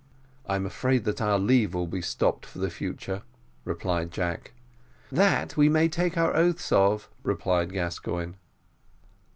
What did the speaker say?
"I'm afraid that our leave will be stopped for the future," replied Jack. "That we may take our oaths of," replied Gascoigne.